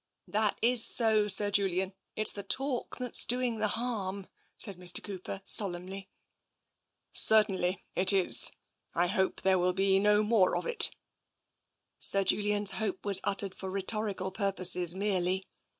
" That is so, Sir Julian. It's the talk that's doing the harm," said Mr. Cooper solemnly. tt 248 TENSION " Certainly it is. I hope there will be no more of it" Sir Julian's hope was utjered for rhetorical pur poses merely.